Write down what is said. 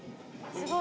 すごい。